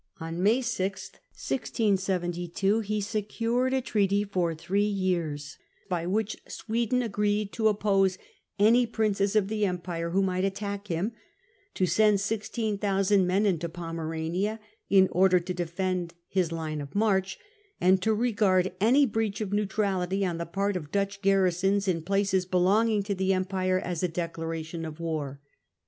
On May 6, 1672, he secured a treaty for three years, Treaty be by which Sweden agreed to oppose any Princes ondSwSm 0 t ^ e Empire who might attack him ; to send May 1672, 16,000 men into Pomerania, in order to defend his line of march ; and to regard any breach of neutrality on the part of Dutch garrisons in places belonging to the Empire as a declaration of war.